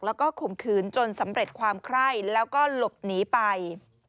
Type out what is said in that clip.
แล้วก็ข่มขืนจนสำเร็จความไคร้แล้วก็หลบหนีไป